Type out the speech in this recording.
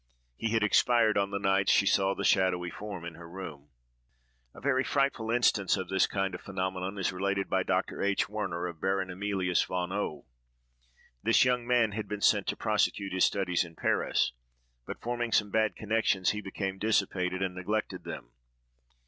He had expired on the night she saw the shadowy form in her room. A very frightful instance of this kind of phenomenon is related by Dr. H. Werner, of Baron Emilius von O——. This young man had been sent to prosecute his studies in Paris; but, forming some bad connections, he became dissipated, and neglected them.